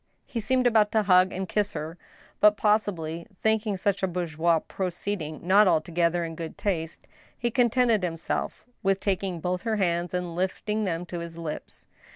He seemed about to hug and kiss her ; but, possi bly, thinking such a bourgeois proceeding not altogether in good taste, he contented himself with taking both her hands and lifting them to his lips.